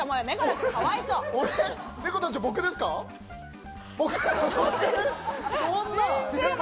え、そんな。